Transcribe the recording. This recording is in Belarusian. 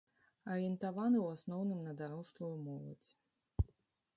Арыентаваны ў асноўным на дарослую моладзь.